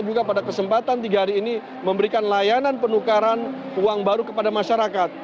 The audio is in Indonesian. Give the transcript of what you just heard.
juga pada kesempatan tiga hari ini memberikan layanan penukaran uang baru kepada masyarakat